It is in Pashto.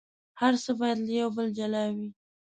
هر څه باید له یو بل جلا وي.